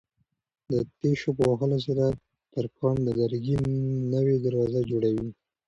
د تېشو په وهلو سره ترکاڼ د لرګي نوې دروازه جوړوي.